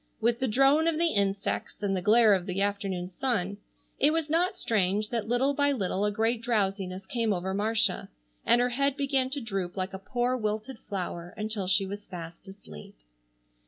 With the drone of the insects and the glare of the afternoon sun, it was not strange that little by little a great drowsiness came over Marcia and her head began to droop like a poor wilted flower until she was fast asleep.